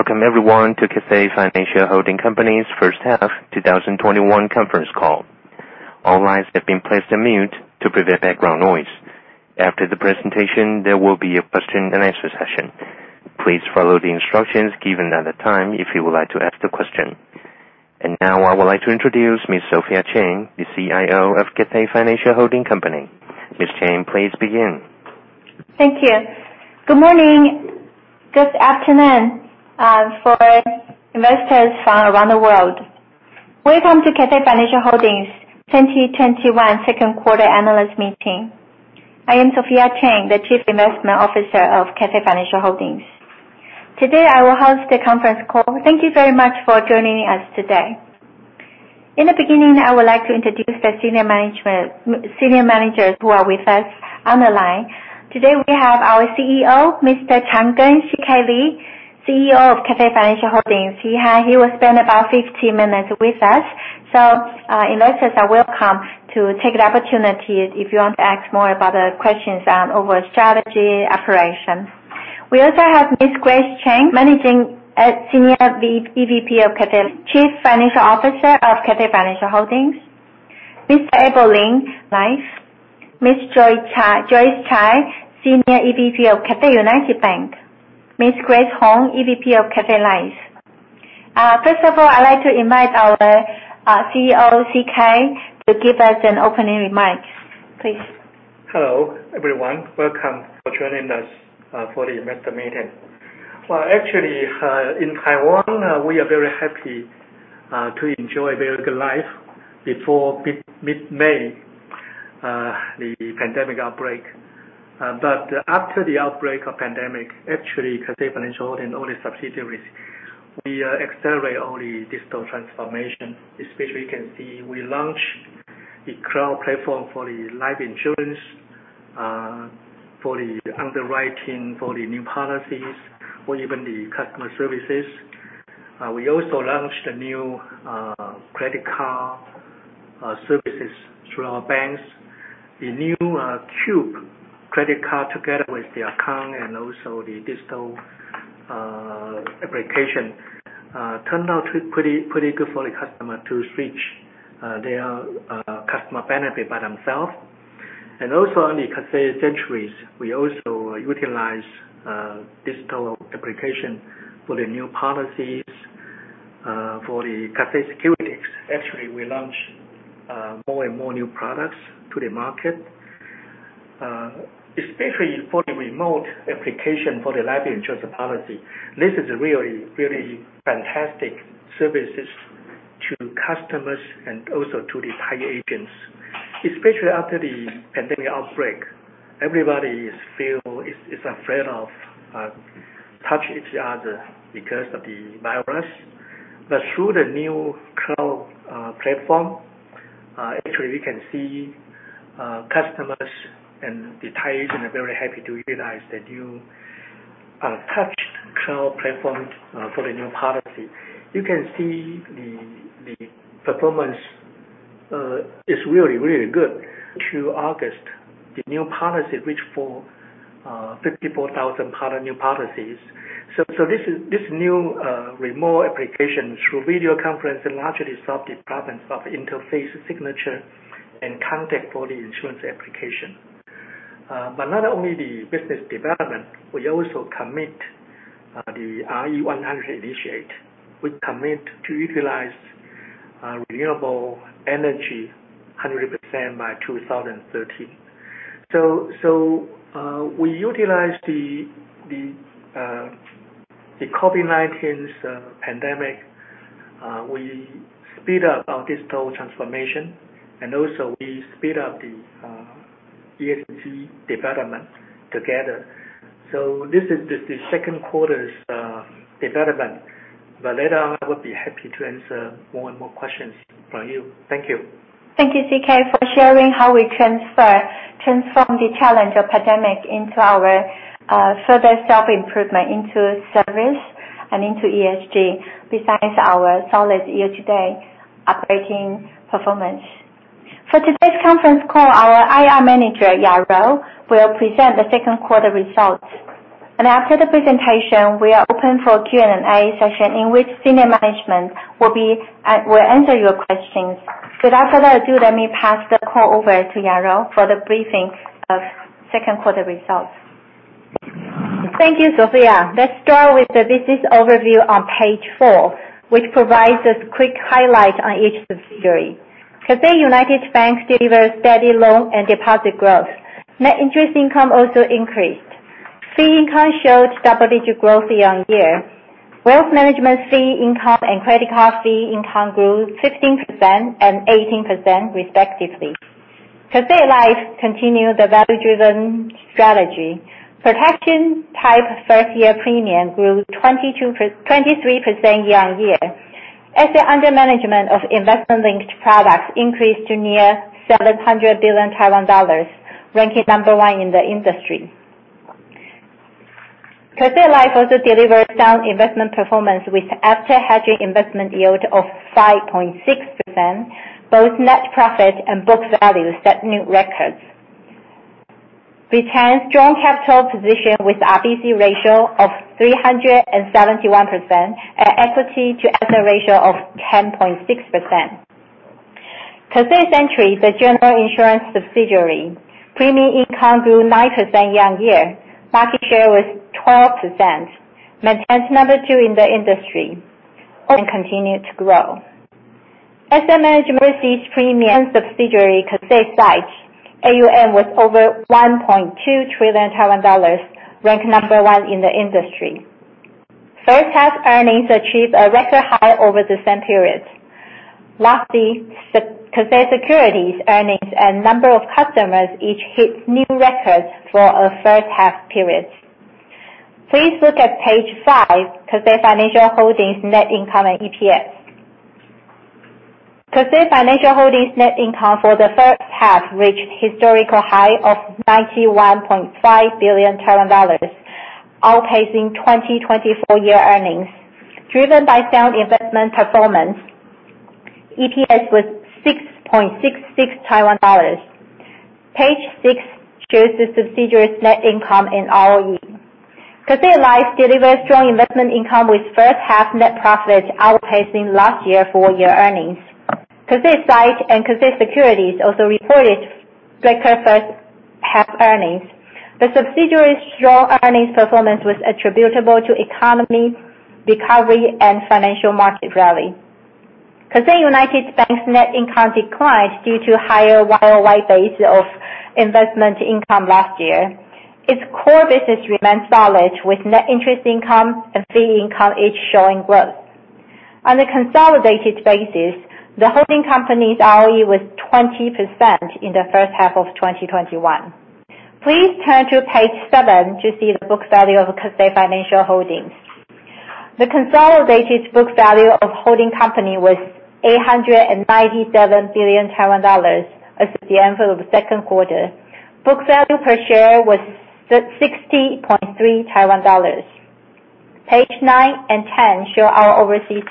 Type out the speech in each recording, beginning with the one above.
Welcome everyone to Cathay Financial Holding Company's first half 2021 conference call. All lines have been placed on mute to prevent background noise. After the presentation, there will be a question and answer session. Please follow the instructions given at the time if you would like to ask the question. Now I would like to introduce Ms. Sophia Cheng, the Chief Investment Officer of Cathay Financial Holding Company. Ms. Cheng, please begin. Thank you. Good morning, good afternoon for investors from around the world. Welcome to Cathay Financial Holding 2021 second quarter analyst meeting. I am Sophia Cheng, the Chief Investment Officer of Cathay Financial Holding. Today, I will host the conference call. Thank you very much for joining us today. In the beginning, I would like to introduce the senior managers who are with us on the line. Today, we have our CEO, Mr. Chang Ken, C.K. Lee, CEO of Cathay Financial Holding. He will spend about 50 minutes with us. Investors are welcome to take the opportunity if you want to ask more about the questions over strategy operations. We also have Ms. Grace Chen, Senior EVP of Cathay, Chief Financial Officer of Cathay Financial Holding; Mr. Abel Lin, Life; Ms. Joyce Chai, Senior EVP of Cathay United Bank; Ms. Grace Hong, EVP of Cathay Life. First of all, I'd like to invite our CEO, C.K., to give us an opening remark, please. Hello, everyone. Welcome for joining us for the investor meeting. Well, actually, in Taiwan, we are very happy to enjoy a very good life before mid-May, the pandemic outbreak. After the outbreak of pandemic, actually, Cathay Financial and all the subsidiaries, we accelerate all the digital transformation, especially you can see we launched the cloud platform for the life insurance, for the underwriting for the new policies, or even the customer services. We also launched new credit card services through our banks. The new CUBE credit card, together with the account and also the digital application, turned out pretty good for the customer to switch their customer benefit by themselves. Also on the Cathay Century, we also utilize digital application for the new policies. Through the Cathay Securities, actually, we launched more and more new products to the market, especially for the remote application for the life insurance policy. This is really, really fantastic services to customers and also to the tied agents. Especially after the pandemic outbreak, everybody is afraid of touching each other because of the virus. Through the new touch cloud platform, actually we can see customers and the tied agent are very happy to utilize the new touch cloud platform for the new policy. You can see the performance is really, really good. Through August, the new policy reached 54,000 new policies. This new remote application through video conference largely solved the problems of interface signature and contact for the insurance application. Not only the business development, we also commit the RE100 initiative. We commit to utilize renewable energy 100% by 2030. We utilize the COVID-19 pandemic. We speed up our digital transformation, and also we speed up the ESG development together. This is the second quarter's development, but later I would be happy to answer more and more questions from you. Thank you. Thank you, C.K., for sharing how we transform the challenge of pandemic into our further self-improvement into service and into ESG, besides our solid year-to-date operating performance. For today's conference call, our IR manager, Yara, will present the second quarter results, and after the presentation, we are open for Q&A session, in which senior management will answer your questions. Without further ado, let me pass the call over to Yara for the briefings of second quarter results. Thank you, Sophia. Let's start with the business overview on page four, which provides a quick highlight on each subsidiary. Cathay United Bank delivers steady loan and deposit growth. Net interest income also increased. Fee income showed double-digit growth year-on-year. Wealth management fee income and credit card fee income grew 15% and 18% respectively. Cathay Life continued the value-driven strategy. Protection type first-year premium grew 23% year-on-year. Asset under management of investment-linked products increased to near 700 billion Taiwan dollars, ranking number 1 in the industry. Cathay Life also delivered sound investment performance with after-hedging investment yield of 5.6%. Both net profit and book value set new records. Retains strong capital position with RBC ratio of 371% and equity to asset ratio of 10.6%. Cathay Century, the general insurance subsidiary, premium income grew 9% year-on-year. Market share was 12%, maintains number 2 in the industry, and continue to grow. Asset Management receives premium subsidiary Cathay SITE, AUM with over 1.2 trillion Taiwan dollars, ranked number 1 in the industry. First half earnings achieved a record high over the same period. Lastly, Cathay Securities earnings and number of customers each hit new records for a first half period. Please look at page five, Cathay Financial Holding net income and EPS. Cathay Financial Holding net income for the first half reached historical high of $91.5 billion, outpacing 2024 year earnings. Driven by sound investment performance, EPS was $6.66. Page six shows the subsidiaries net income and ROE. Cathay Life delivers strong investment income with first half net profit outpacing last year full year earnings. Cathay SITE and Cathay Securities also reported record first half earnings. The subsidiaries' strong earnings performance was attributable to economy, recovery, and financial market rally. Cathay United Bank's net income declined due to higher YOY base of investment income last year. Its core business remains solid with net interest income and fee income each showing growth. On a consolidated basis, the holding company's ROE was 20% in the first half of 2021. Please turn to page seven to see the book value of Cathay Financial Holding. The consolidated book value of holding company was 897 billion Taiwan dollars as of the end of the second quarter. Book value per share was 60.3 Taiwan dollars. Page nine and 10 show our overseas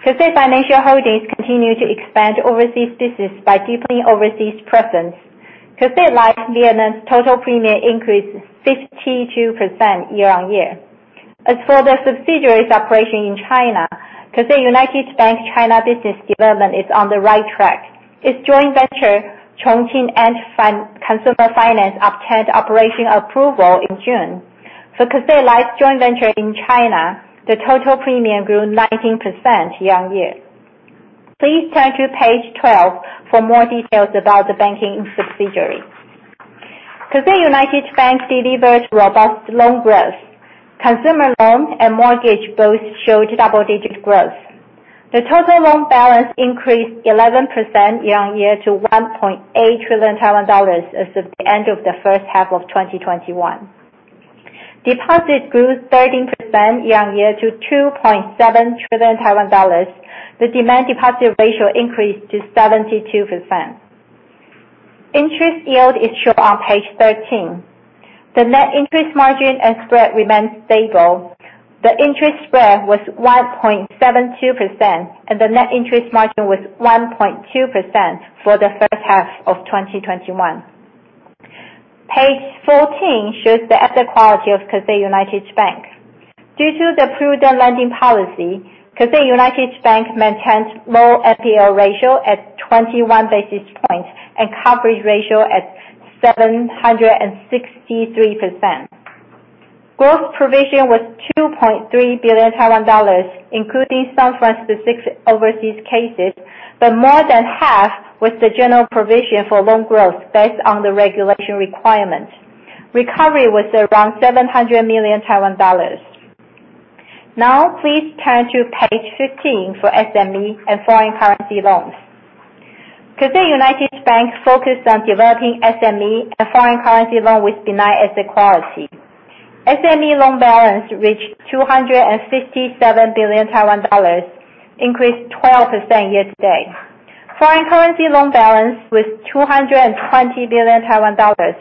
expansion. Cathay Financial Holding continue to expand overseas business by deepening overseas presence. Cathay Life Vietnam's total premium increased 52% year-on-year. As for the subsidiaries operation in China, Cathay United Bank (China) business development is on the right track. Its joint venture, Chongqing Ant Consumer Finance, obtained operation approval in June. For Cathay Life joint venture in China, the total premium grew 19% year-on-year. Please turn to page 12 for more details about the banking subsidiary. Cathay United Bank delivered robust loan growth. Consumer loan and mortgage both showed double-digit growth. The total loan balance increased 11% year-on-year to 1.8 trillion Taiwan dollars as of the end of the first half of 2021. Deposit grew 13% year-on-year to 2.7 trillion Taiwan dollars. The demand deposit ratio increased to 72%. Interest yield is shown on page 13. The net interest margin and spread remained stable. The interest spread was 1.72%, and the net interest margin was 1.2% for the first half of 2021. Page 14 shows the asset quality of Cathay United Bank. Due to the prudent lending policy, Cathay United Bank maintains low NPL ratio at 21 basis points and coverage ratio at 763%. Growth provision was 2.3 billion Taiwan dollars, including some from specific overseas cases, but more than half was the general provision for loan growth based on the regulation requirement. Recovery was around 700 million Taiwan dollars. Now please turn to page 15 for SME and foreign currency loans. Cathay United Bank focused on developing SME and foreign currency loan with defined asset quality. SME loan balance reached 257 billion Taiwan dollars, increased 12% year-to-date. Foreign currency loan balance was 220 billion Taiwan dollars,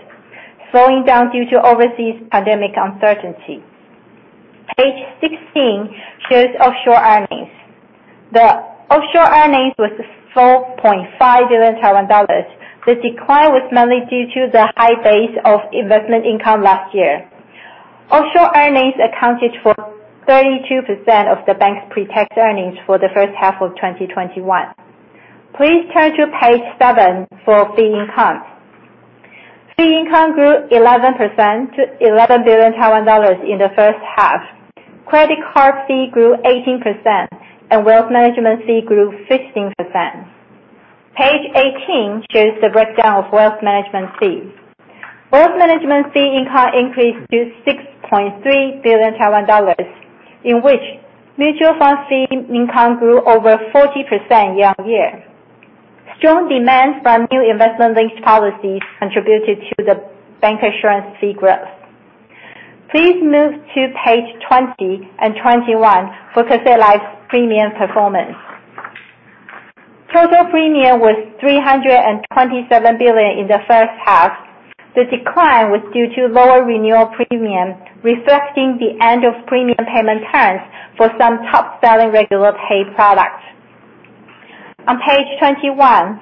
slowing down due to overseas pandemic uncertainty. Page 16 shows offshore earnings. The offshore earnings was 4.5 billion Taiwan dollars. The decline was mainly due to the high base of investment income last year. Offshore earnings accounted for 32% of the bank's pre-tax earnings for the first half of 2021. Please turn to page seven for fee income. Fee income grew 11% to 11 billion Taiwan dollars in the first half. Credit card fee grew 18%, and wealth management fee grew 15%. Page 18 shows the breakdown of wealth management fees. Wealth management fee income increased to 6.3 billion Taiwan dollars, in which mutual fund fee income grew over 40% year-on-year. Strong demand from new investment-linked policies contributed to the bank insurance fee growth. Please move to page 20 and 21 for Cathay Life's premium performance. Total premium was 327 billion in the first half. The decline was due to lower renewal premium, reflecting the end of premium payment terms for some top-selling regular pay products. On page 21,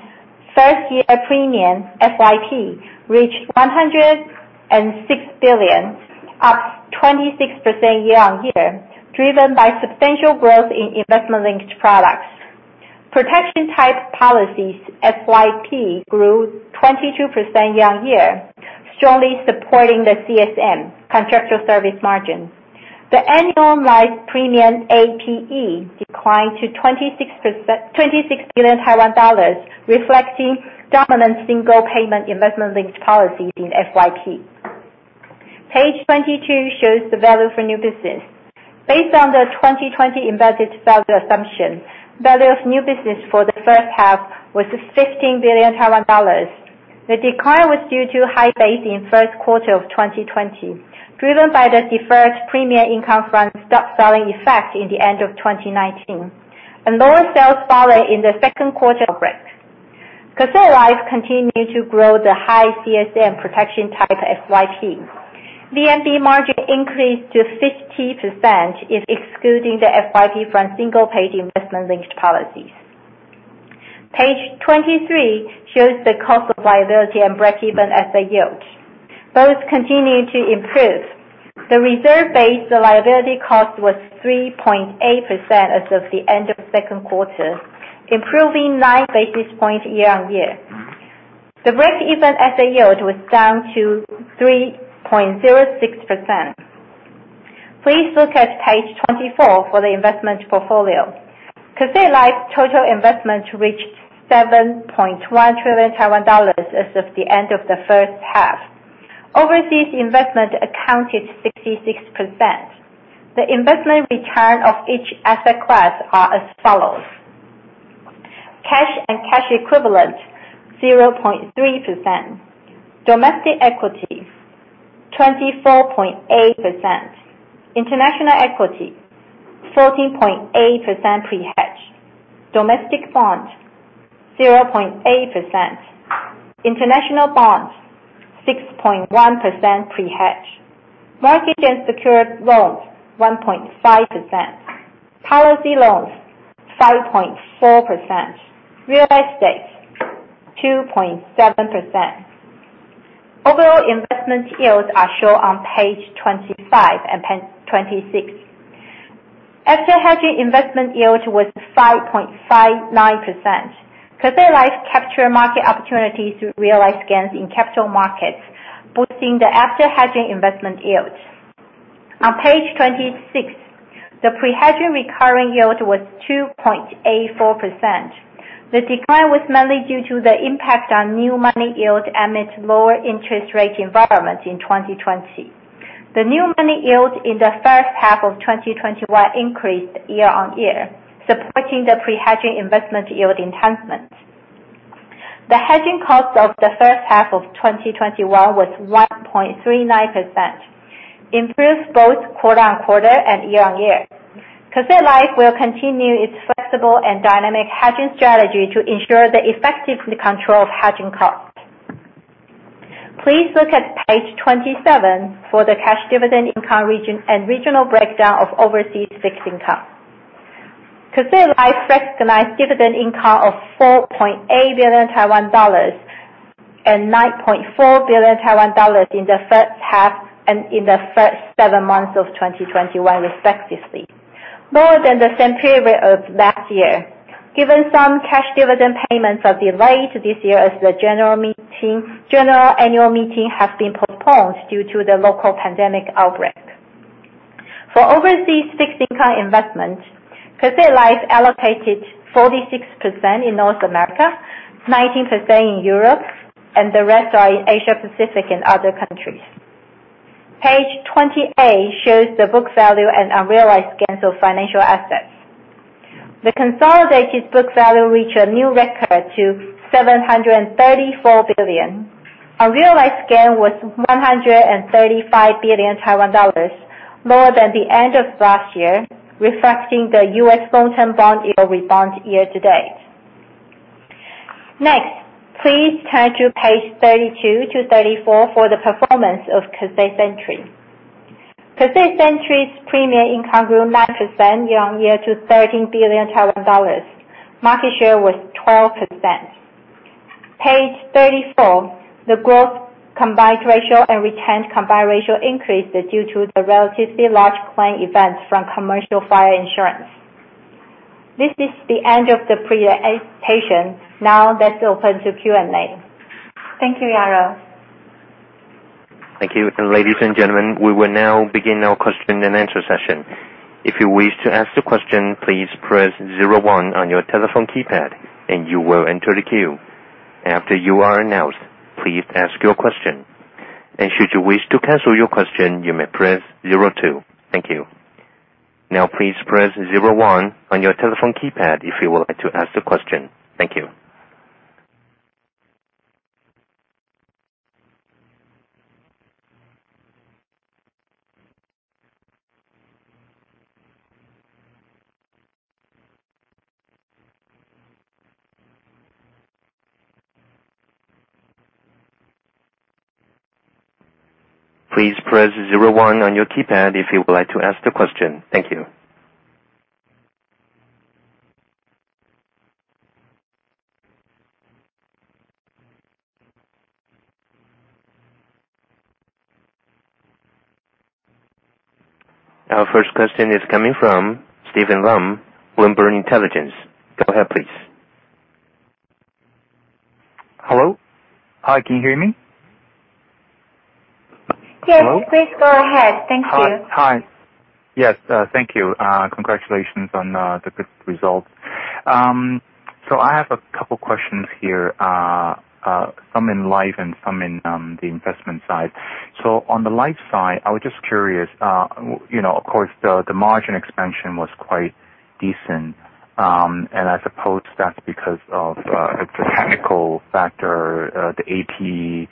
first-year premium, FYP, reached 106 billion, up 26% year-on-year, driven by substantial growth in investment-linked products. Protection type policies, FYP, grew 22% year-on-year, strongly supporting the CSM, contractual service margin. The annualized premium, APE, declined to 26 billion Taiwan dollars, reflecting dominant single-payment investment-linked policies in FYP. Page 22 shows the value for new business. Based on the 2020 embedded value assumption, value of new business for the first half was 15 billion Taiwan dollars. The decline was due to high base in first quarter of 2020, driven by the deferred premium income from stock selling effect in the end of 2019, and lower sales followed in the second quarter outbreak. Cathay Life continued to grow the high CSM protection type FYP. VNB margin increased to 50%, excluding the FYP from single-pay investment-linked policies. Page 23 shows the cost of liability and break-even asset yield. Both continue to improve. The reserve base liability cost was 3.8% as of the end of second quarter, improving nine basis points year-on-year. The break-even asset yield was down to 3.06%. Please look at page 24 for the investment portfolio. Cathay Life total investment reached 7.1 trillion Taiwan dollars as of the end of the first half. Overseas investment accounted 66%. The investment return of each asset class are as follows: cash and cash equivalents, 0.3%. Domestic equity, 24.8%. International equity, 14.8% pre-hedge. Domestic bond, 0.8%. International bonds, 6.1% pre-hedge. Mortgage and secured loans, 1.5%. Policy loans, 5.4%. Real estate, 2.7%. Overall investment yields are shown on page 25 and page 26. After hedging investment yield was 5.59%. Cathay Life capture market opportunities to realize gains in capital markets, boosting the after-hedging investment yields. On page 26, the pre-hedging recurring yield was 2.84%. The decline was mainly due to the impact on new money yield amidst lower interest rate environments in 2020. The new money yield in the first half of 2021 increased year-on-year, supporting the pre-hedging investment yield enhancements. The hedging cost of the first half of 2021 was 1.39%, improves both quarter-on-quarter and year-on-year. Cathay Life will continue its flexible and dynamic hedging strategy to ensure the effective control of hedging cost. Please look at page 27 for the cash dividend income and regional breakdown of overseas fixed income. Cathay Life recognized dividend income of 4.8 billion Taiwan dollars and 9.4 billion Taiwan dollars in the first seven months of 2021 respectively, more than the same period of last year. Given some cash dividend payments are delayed this year as the general annual meeting has been postponed due to the local pandemic outbreak. For overseas fixed income investment, Cathay Life allocated 46% in North America, 19% in Europe, and the rest are in Asia Pacific and other countries. Page 28 shows the book value and unrealized gains of financial assets. The consolidated book value reached a new record to 734 billion. Unrealized gain was 135 billion Taiwan dollars, more than the end of last year, reflecting the U.S. long-term bond yield rebound year-to-date. Next, please turn to page 32 to 34 for the performance of Cathay Century. Cathay Century's premium income grew 9% year-on-year to 13 billion Taiwan dollars. Market share was 12%. Page 34, the growth combined ratio and retained combined ratio increased due to the relatively large claim events from commercial fire insurance. This is the end of the presentation. Now, let's open to Q&A. Thank you, Yara. Thank you. Ladies and gentlemen, we will now begin our question and answer session. If you wish to ask the question, please press 01 on your telephone keypad and you will enter the queue. After you are announced, please ask your question. Should you wish to cancel your question, you may press 02. Thank you. Now, please press 01 on your telephone keypad if you would like to ask the question. Thank you. Please press zero one on your keypad if you would like to ask the question. Thank you. Our first question is coming from Steven Lam, Bloomberg Intelligence. Go ahead, please. Hello? Hi, can you hear me? Yes. Hello? Please go ahead. Thank you. Hi. Yes. Thank you. Congratulations on the good results. I have a couple questions here, some in life and some in the investment side. On the life side, I was just curious, of course, the margin expansion was quite decent, and I suppose that's because of the technical factor, the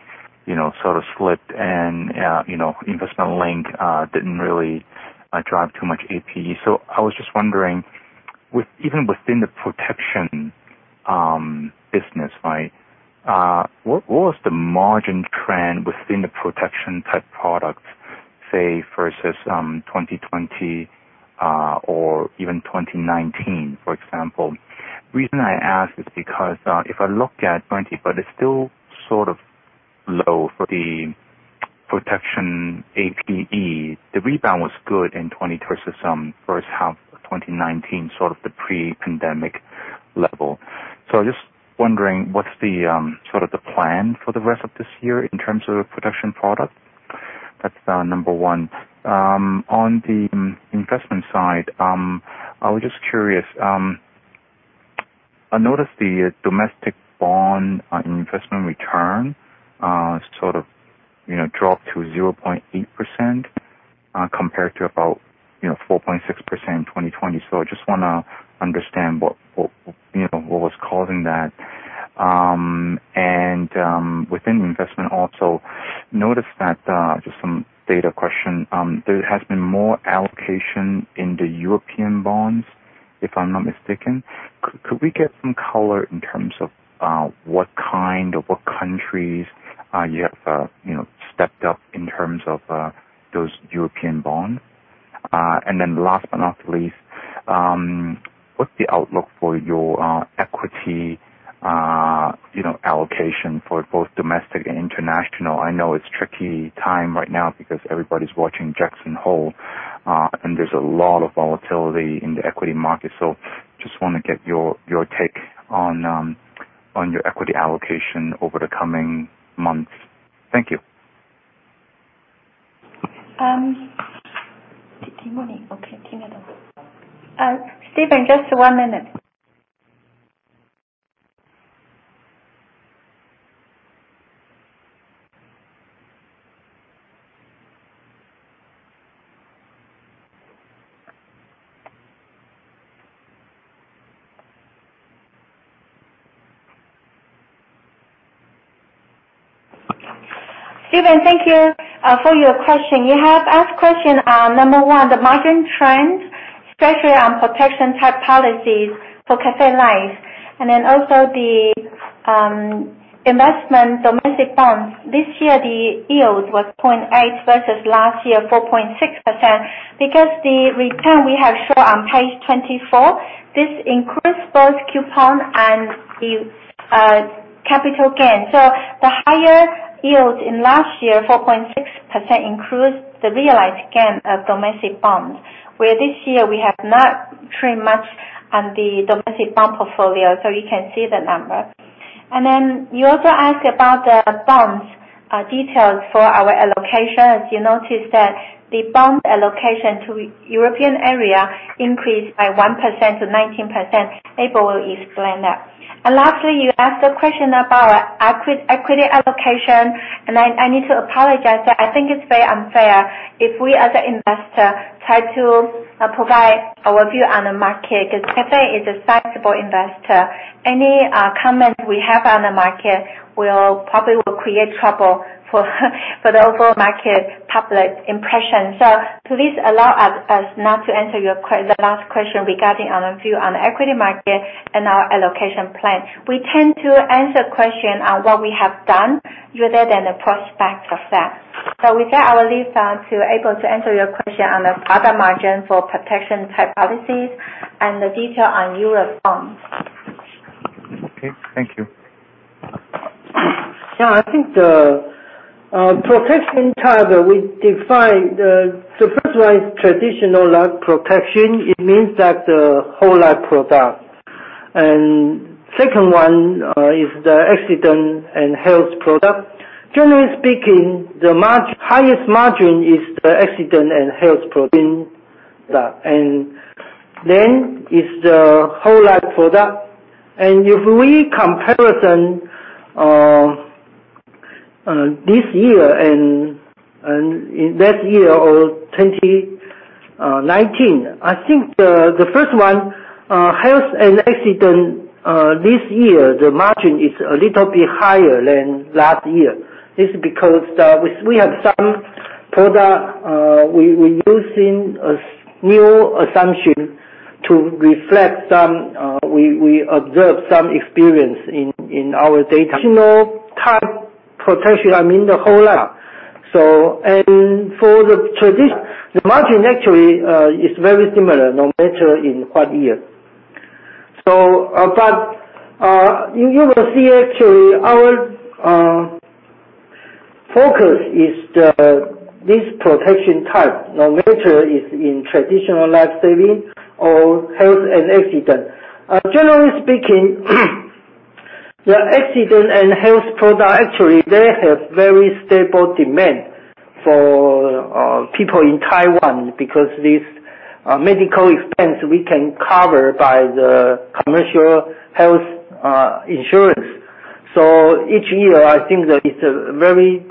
APE sort of slipped and investment link didn't really drive too much APE. I was just wondering, even within the protection business, what was the margin trend within the protection-type products, say, versus 2020 or even 2019, for example? The reason I ask is because if I look at 2020, but it's still sort of low for the protection APE. The rebound was good in 2020 versus first half of 2019, sort of the pre-pandemic level. I was just wondering, what's the plan for the rest of this year in terms of protection product? That's number 1. On the investment side, I was just curious. I noticed the domestic bond investment return sort of dropped to 0.8% compared to about 4.6% in 2020. I just want to understand what was causing that. Within investment also, noticed that, just some data question, there has been more allocation in the European bonds, if I'm not mistaken. Could we get some color in terms of what kind or what countries you have stepped up in terms of those European bonds? Last but not least, what's the outlook for your equity allocation for both domestic and international? I know it's a tricky time right now because everybody's watching Jackson Hole, and there's a lot of volatility in the equity market. Just want to get your take on your equity allocation over the coming months. Thank you. Steven, just one minute. Steven, thank you for your question. You have asked question, number 1, the margin trends, especially on protection type policies for Cathay Life, and then also the investment domestic bonds. This year, the yield was 0.8 versus last year, 4.6%, because the return we have shown on page 24, this includes both coupon and the capital gain. The higher yield in last year, 4.6%, includes the realized gain of domestic bonds, where this year we have not trade much on the domestic bond portfolio. You can see the number. You also ask about the bonds details for our allocation. As you noticed that the bond allocation to European area increased by 1% to 19%. Abel will explain that. Lastly, you asked a question about equity allocation, and I need to apologize. I think it's very unfair if we, as an investor, try to provide our view on the market, because Cathay is a sizable investor. Any comment we have on the market will probably create trouble for the overall market public impression. Please allow us not to answer the last question regarding our view on equity market and our allocation plan. We tend to answer question on what we have done rather than the prospect of that. With that, I will leave to Abel to answer your question on the product margin for protection type policies and the detail on Eurobonds. Okay. Thank you. I think the protection type, we define the first one is traditional life protection. It means that the whole life product. Second one is the accident and health product. Generally speaking, the highest margin is the accident and health product, then is the whole life product. If we comparison this year and that year or 2019, I think the first one, health and accident this year, the margin is a little bit higher than last year. This is because we have some product, we're using a new assumption to reflect some, we observe some experience in our data. Traditional type protection, I mean the whole life. For the tradition, the margin actually is very similar, no matter in what year. You will see actually, our focus is this protection type. No matter is in traditional life saving or health and accident. Generally speaking, the accident and health product, actually they have very stable demand for people in Taiwan because this medical expense we can cover by the commercial health insurance. Each year I think that it's a very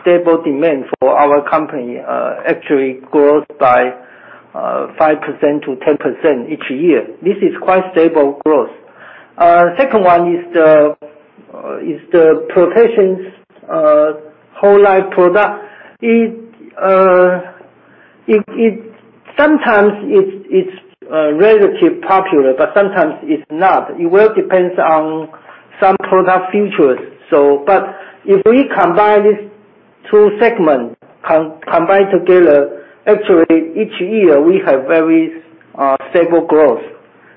stable demand for our company, actually grows by 5%-10% each year. This is quite stable growth. Second one is the protection whole life product. Sometimes it's relatively popular, but sometimes it's not. It will depends on some product features. If we combine these two segments combined together, actually each year we have very stable growth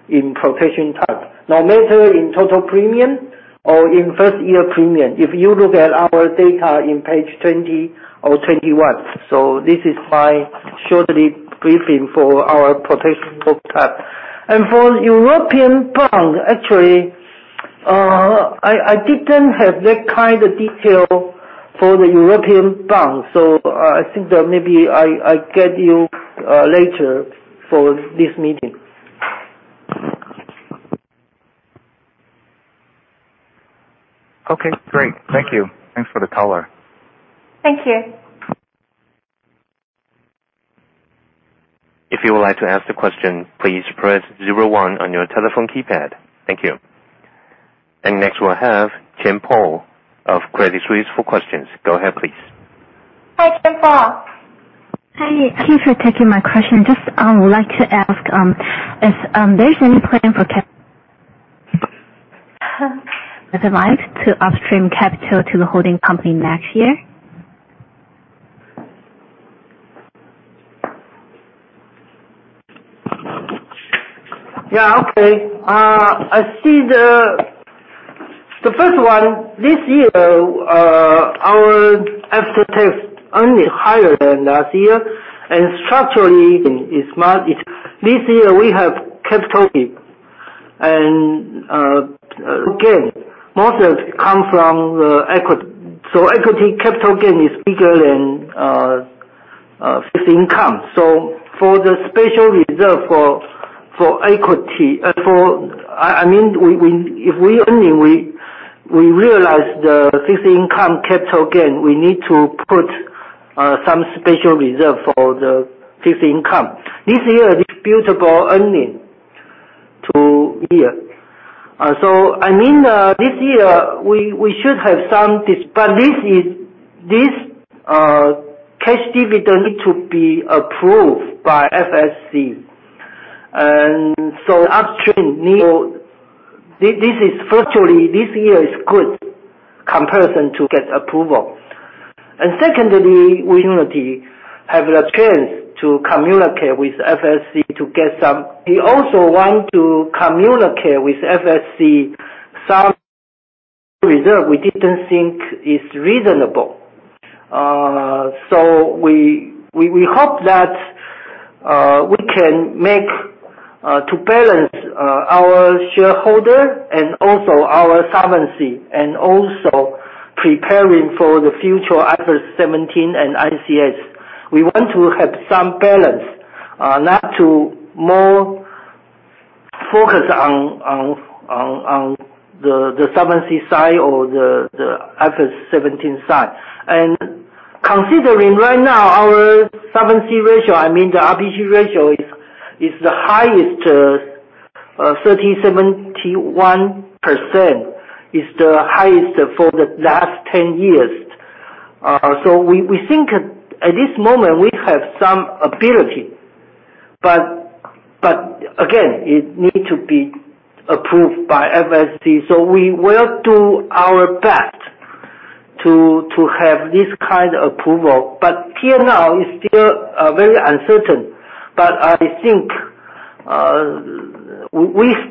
in protection type. No matter in total premium or in first year premium. If you look at our data in page 20 or 21. This is my shortly briefing for our protection product. For European bond, actually, I didn't have that kind of detail for the European bond. I think that maybe I get you later for this meeting. Okay, great. Thank you. Thanks for the color. Thank you. If you would like to ask the question, please press 01 on your telephone keypad. Thank you. Next we'll have Jemima Paur of Credit Suisse for questions. Go ahead, please. Hi, Jemima Paur. Hi. Thank you for taking my question. Just would like to ask if there's any plan for Cathay Life to upstream capital to the holding company next year? Yeah. Okay. I see the first one, this year our after-tax only higher than last year, and structurally it's not it. This year we have capital and again, most of it come from the equity. Equity capital gain is bigger than fixed income. For the special reserve for equity, I mean, if we only realize the fixed income capital gain, we need to put some special reserve for the fixed income. This year disputable earning to year. I mean, this year we should have some dispute. This cash dividend need to be approved by FSC. Upstream need to Fortunately, this year is good comparison to get approval. Secondly, we generally have the chance to communicate with FSC to get some. We also want to communicate with FSC some reserve we didn't think is reasonable. We hope that we can make to balance our shareholder and also our solvency, and also preparing for the future IFRS 17 and ICS. We want to have some balance, not to more focus on the solvency side or the IFRS 17 side. Considering right now our solvency ratio, I mean, the RBC ratio is the highest, 371% is the highest for the last 10 years. We think at this moment we have some ability, but again, it need to be approved by FSC. We will do our best to have this kind of approval. Here now it's still very uncertain. I think,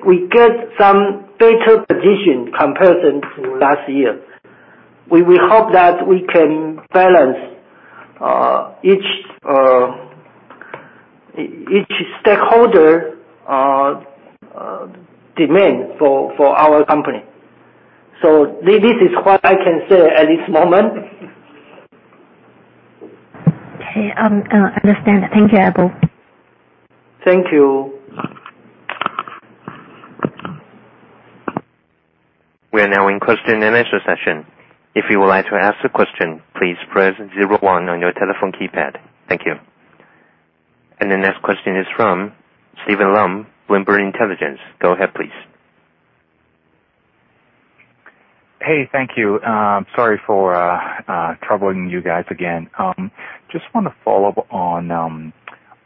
we get some better position comparison to last year. We hope that we can balance each stakeholder demand for our company. This is what I can say at this moment. Okay. Understand. Thank you, Abel. Thank you. We are now in question and answer session. If you would like to ask the question, please press zero one on your telephone keypad. Thank you. The next question is from Steven Lum, Bloomberg Intelligence. Go ahead, please. Hey, thank you. Sorry for troubling you guys again. I just want to follow up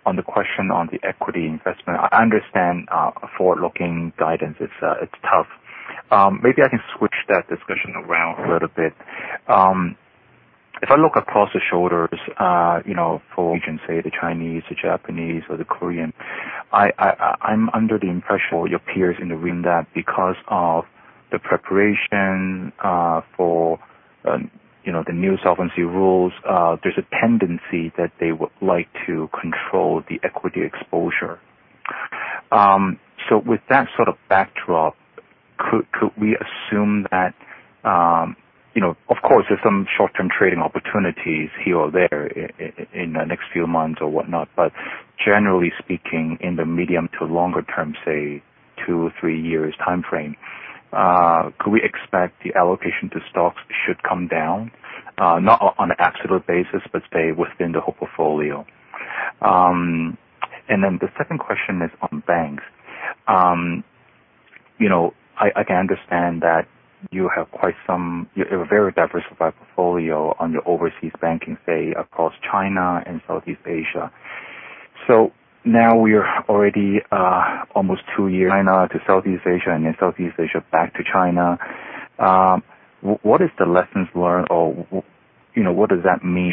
on the question on the equity investment. I understand forward-looking guidance, it is tough. Maybe I can switch that discussion around a little bit. If I look across the shoulders, for we can say the Chinese, the Japanese, or the Korean, I am under the impression your peers in the room that because of the preparation for the new solvency rules, there is a tendency that they would like to control the equity exposure. With that sort of backdrop, could we assume that, of course, there is some short-term trading opportunities here or there in the next few months or whatnot, but generally speaking, in the medium to longer term, say two or three years timeframe, could we expect the allocation to stocks should come down? Not on an absolute basis, but say within the whole portfolio. The second question is on banks. I can understand that you have a very diversified portfolio on your overseas banking, say across China and Southeast Asia. Now we are already almost 2 years China to Southeast Asia, then Southeast Asia back to China. What is the lessons learned, or what does that mean?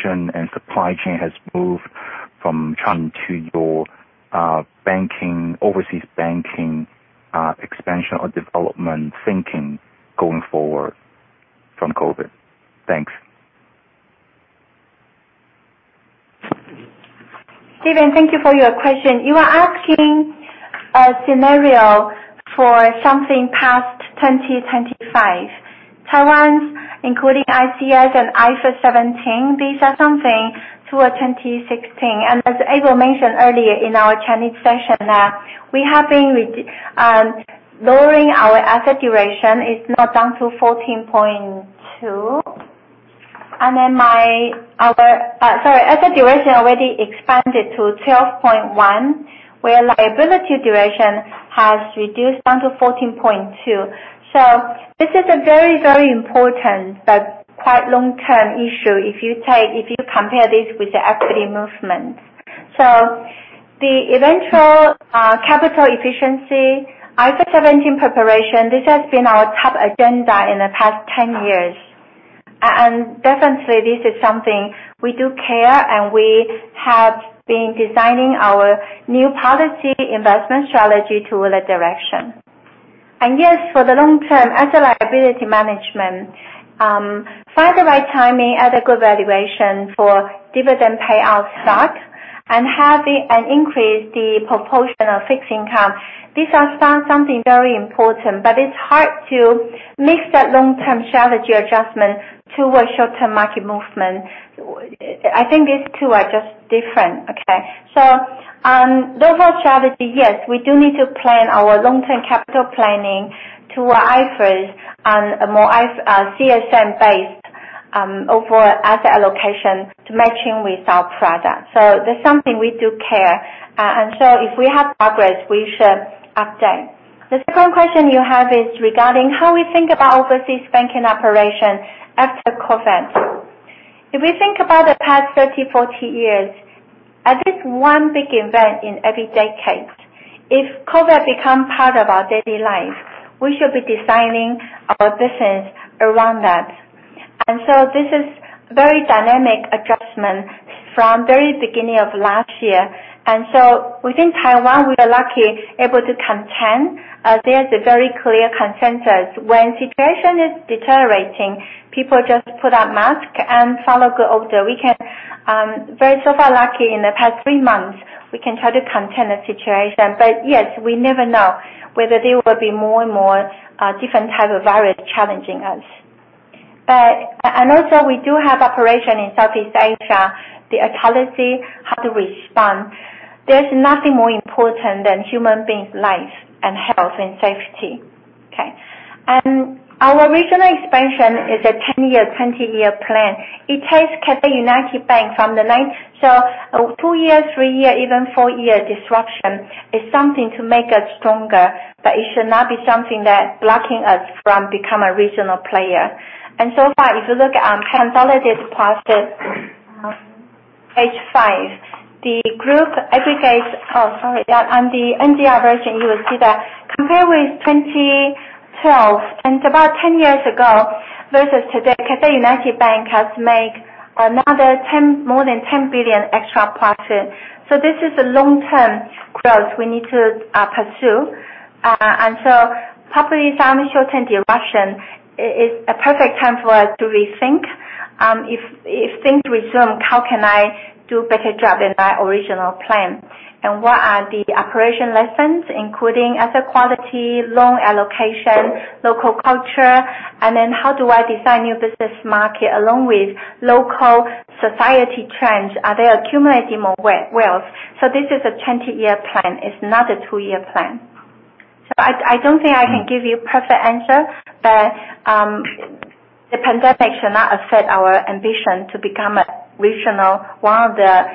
Supply chain has moved from China to your overseas banking expansion or development thinking going forward from COVID. Thanks. Steven, thank you for your question. You are asking a scenario for something past 2025. Taiwan's, including ICS and IFRS 17, these are something toward 2026. As Abel mentioned earlier in our Chinese session, we have been lowering our asset duration. It's now down to 14.2. Sorry. Asset duration already expanded to 12.1, where liability duration has reduced down to 14.2. This is a very, very important but quite long-term issue if you compare this with the equity movement. The eventual capital efficiency, IFRS 17 preparation, this has been our top agenda in the past 10 years. Definitely this is something we do care, and we have been designing our new policy investment strategy toward that direction. Yes, for the long term, asset liability management, find the right timing at a good valuation for dividend payout stock, and increase the proportion of fixed income. These are something very important, it's hard to mix that long-term strategy adjustment toward short-term market movement. I think these two are just different, okay? On overall strategy, yes, we do need to plan our long-term capital planning toward IFRS on a more CSM based overall asset allocation to matching with our product. That's something we do care. If we have progress, we should update. The second question you have is regarding how we think about overseas banking operations after COVID. If we think about the past 30, 40 years, at least one big event in every decade. If COVID become part of our daily life, we should be designing our business around that. This is very dynamic adjustment from very beginning of last year. Within Taiwan, we are lucky able to contain. There's a very clear consensus. When situation is deteriorating, people just put on mask and follow order. Far lucky in the past 3 months, we can try to contain the situation. Yes, we never know whether there will be more and more different type of virus challenging us. Also we do have operation in Southeast Asia, the policy, how to respond. There's nothing more important than human beings' life and health and safety. Okay. Our regional expansion is a 10-year, 20-year plan. It takes Cathay United Bank from the ninth 2 years, 3 year, even 4 year disruption is something to make us stronger, it should not be something that blocking us from become a regional player. So far, if you look at consolidated profit, page five, on the NDR version, you will see that compared with 2012, and it's about 10 years ago versus today, Cathay United Bank has make more than 10 billion extra profit. This is a long-term growth we need to pursue. Probably some short-term disruption is a perfect time for us to rethink. If things resume, how can I do better job than my original plan? What are the operation lessons, including asset quality, loan allocation, local culture, and then how do I design new business market along with local society trends? Are they accumulating more wealth? This is a 20-year plan. It's not a two-year plan. I don't think I can give you perfect answer, but the pandemic should not affect our ambition to become a regional, one of the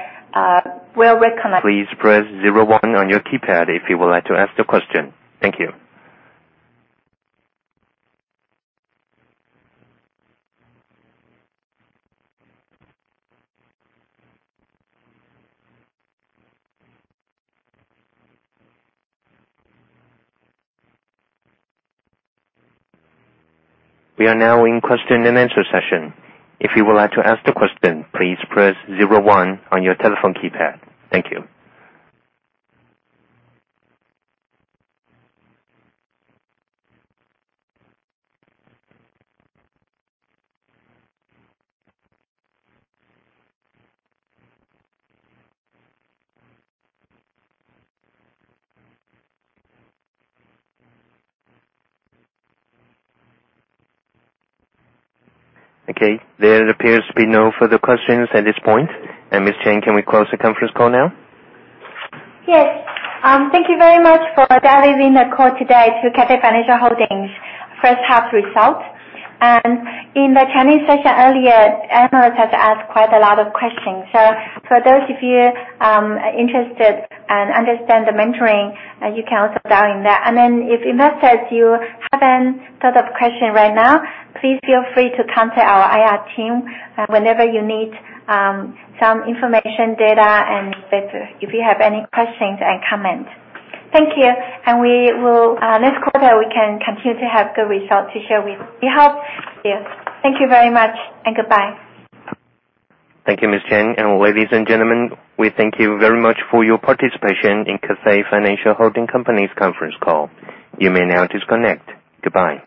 well-recognized- Please press zero one on your keypad if you would like to ask the question. Thank you. We are now in question and answer session. If you would like to ask the question, please press zero one on your telephone keypad. Thank you. There appears to be no further questions at this point. Ms. Chen, can we close the conference call now? Yes. Thank you very much for dialing in the call today to Cathay Financial Holding first half results. In the Chinese session earlier, analysts have asked quite a lot of questions. For those of you interested and understand the Mandarin, you can also dial in there. If investors, you haven't thought of question right now, please feel free to contact our IR team whenever you need some information, data, and if you have any questions and comment. Thank you. Next quarter, we can continue to have good results to share with you. We hope. Thank you very much, and goodbye. Thank you, Ms. Chen. Ladies and gentlemen, we thank you very much for your participation in Cathay Financial Holding Company's conference call. You may now disconnect. Goodbye.